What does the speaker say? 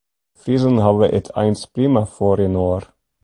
De Friezen hawwe it eins prima foar inoar.